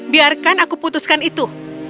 biarkan aku putuskan itu